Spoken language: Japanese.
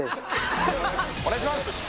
お願いします